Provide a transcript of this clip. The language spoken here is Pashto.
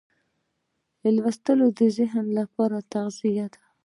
لوستل د ذهن لپاره تغذیه ده.